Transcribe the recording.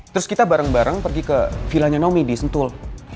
terus kita bareng bareng pergi ke villanya nomi di sentul